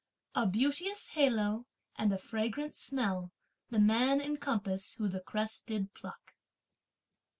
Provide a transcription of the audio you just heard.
A beauteous halo and a fragrant smell the man encompass who the cress did pluck!